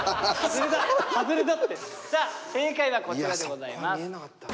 さあ正解はこちらでございます。